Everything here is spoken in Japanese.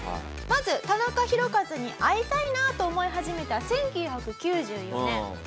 まず田中宏和に会いたいなと思い始めた１９９４年。